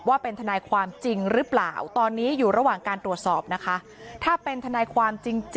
ว่าเป็นทนายความจริงหรือเปล่า